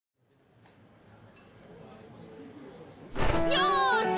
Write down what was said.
よし！